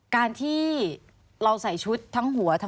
สวัสดีค่ะที่จอมฝันครับ